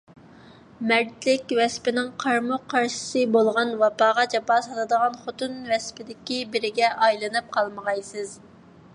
«مەردلىك» ۋەسپىنىڭ قارىمۇقارشىسى بولغان ۋاپاغا جاپا سالىدىغان «خوتۇن» ۋەسپىدىكى بىرىگە ئايلىنىپ قالمىغايسىز.